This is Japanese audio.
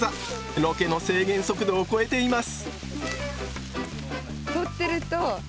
ロケの制限速度を超えています！